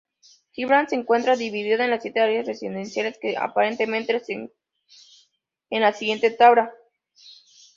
Gibraltar se encuentra dividida en siete áreas residenciales, que aparecen en la siguiente tabla.